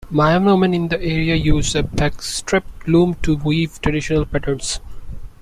Mayan women in the area use a backstrap loom to weave traditional patterns.